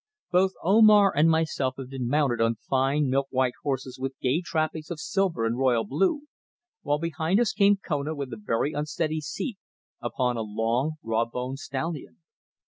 Both Omar and myself had been mounted on fine milk white horses with gay trappings of silver and royal blue, while behind us came Kona with a very unsteady seat upon a long raw boned stallion.